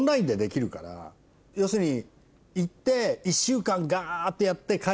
要するに。